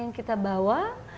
yang kita bawa